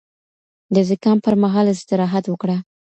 د زکام پر مهال استراحت وکړه